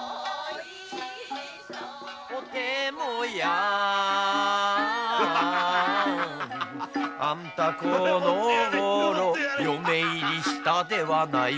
「おてもやんあんたこのごろ嫁入りしたではないかいな」